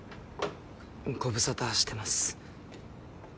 ご無沙汰してます。